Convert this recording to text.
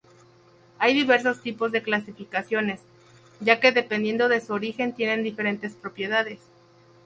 Hay diversos tipos de clasificaciones ya que dependiendo de su origen tienen diferentes propiedades.